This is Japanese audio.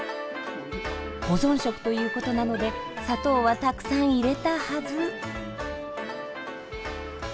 保存食ということなので砂糖はたくさん入れたはず。